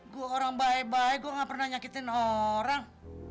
gue orang baik baik gue gak pernah nyakitin orang